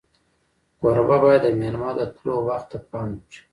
کوربه باید د میلمه د تلو وخت ته پام وکړي.